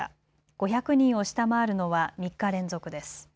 ５００人を下回るのは３日連続です。